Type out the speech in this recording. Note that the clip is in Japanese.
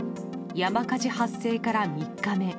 山火事発生から３日目。